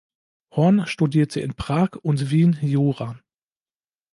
Horn studierte in Prag und Wien Jura.